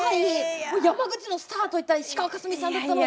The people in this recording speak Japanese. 山口のスターといったら石川佳純さんだったので。